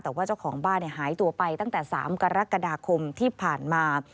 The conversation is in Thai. แต่ว่าเจ้าของบ้านหายตัวไปตั้งแต่๓กรกฎาคมที่ผ่านมา